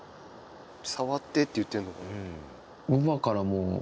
触ってって言ってんのかな？